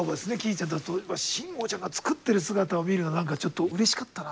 ちゃんと慎吾ちゃんが作ってる姿を見るのは何かちょっとうれしかったな。